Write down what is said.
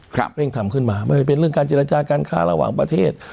เร่งทำขึ้นมาไม่เป็นเรื่องการเจรจาการค้าระหว่างประเทศ